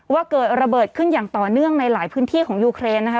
ว่าเกิดระเบิดขึ้นอย่างต่อเนื่องในหลายพื้นที่ของยูเครนนะคะ